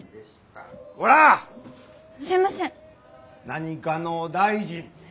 何かの大臣！